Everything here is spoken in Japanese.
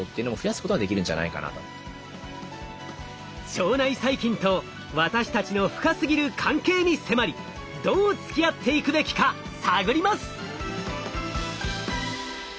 腸内細菌と私たちの深すぎる関係に迫りどうつきあっていくべきか探ります。